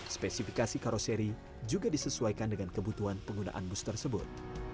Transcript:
spesifikasi karoseri juga disesuaikan dengan kebutuhan penggunaan bus tersebut